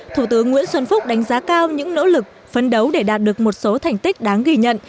thủ tướng nguyễn xuân phúc đánh giá cao những nỗ lực phấn đấu để đạt được một số thành tích đáng ghi nhận